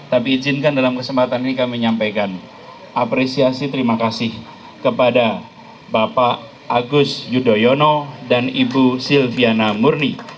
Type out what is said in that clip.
tapi izinkan dalam kesempatan ini kami menyampaikan apresiasi terima kasih kepada bapak agus yudhoyono dan ibu silviana murni